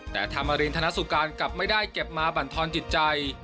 แต่ธรรมรินธนสุการกลับไม่ได้เก็บมาบรรทอนจิตใจ